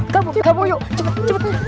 kabur kabur yuk cepet cepet